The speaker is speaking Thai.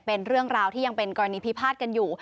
เป็นเรื่องราวที่ยังเป็นกรณีพิพาทกันอยู่